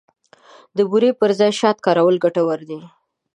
د بوري پر ځای شات کارول ګټور دي.